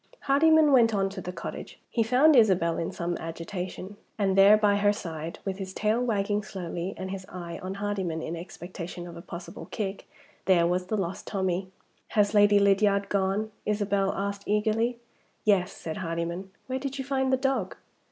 HARDYMAN went on to the cottage. He found Isabel in some agitation. And there, by her side, with his tail wagging slowly, and his eye on Hardyman in expectation of a possible kick there was the lost Tommie! "Has Lady Lydiard gone?" Isabel asked eagerly. "Yes," said Hardyman. "Where did you find the dog?"